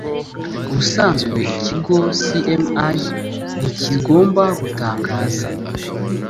ubusanzwe ikigo cma ntikigomba gutangaza